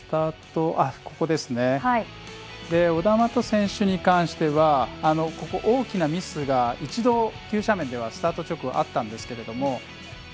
オダーマット選手に関しては大きなミスが一度急斜面ではスタート直後であったんですけれども。